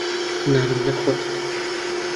نانم نەخوارد.